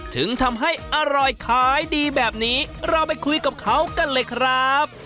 ถึงทำให้อร่อยขายดีแบบนี้เราไปคุยกับเขากันเลยครับ